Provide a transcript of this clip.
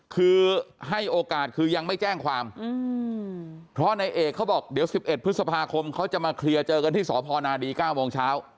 คือให้โอกาสคือยังไม่แจ้งความเพราะนายเอกเขาบอกเดี๋ยว๑๑พฤษภาคมเขาจะมาเคลียร์เจอกันที่สพนดี๙โมงเช้า